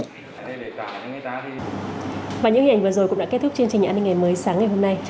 và những hình ảnh vừa rồi cũng đã kết thúc chương trình an ninh ngày mới sáng ngày hôm nay